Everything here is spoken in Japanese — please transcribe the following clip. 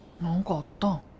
何かあったん？